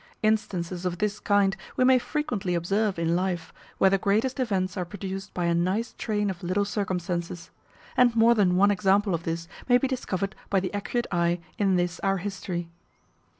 Instances of this kind we may frequently observe in life, where the greatest events are produced by a nice train of little circumstances; and more than one example of this may be discovered by the accurate eye, in this our history.